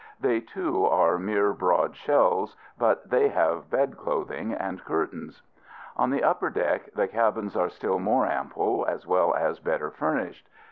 They, too, are mere broad shelves, but they have bed clothing and curtains. On the upper deck the cabins are still more ample, as well as better furnished.